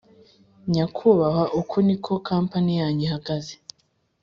nyakubahwa uku niko kampani yanyu ihagaze